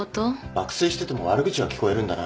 爆睡してても悪口は聞こえるんだな。